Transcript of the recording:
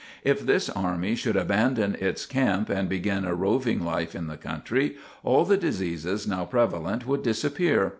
If this army should abandon its camp and begin a roving life in the country, all the diseases now prevalent would disappear.